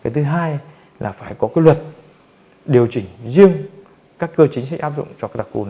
thứ hai là phải có luật điều chỉnh riêng các cơ chính sách áp dụng cho các đặc khu